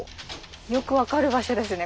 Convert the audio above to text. よく分かる場所ですね